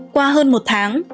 qua hơn một tháng